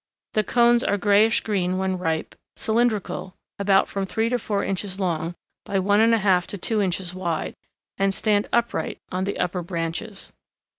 The cones are grayish green when ripe, cylindrical, about from three to four inches long by one and a half to two inches wide, and stand upright on the upper branches.